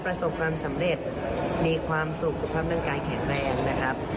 ประสบความสำเร็จมีความสุขสุขภาพร่างกายแข็งแรงนะครับ